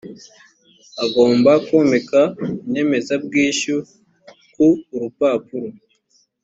agomba komeka inyemezabwishyu ku urupapuro